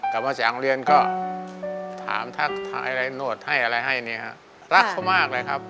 กลับมาจากโรงเรียนก็ถามทักทายอะไรหนวดให้อะไรให้เนี่ยฮะรักเขามากเลยครับ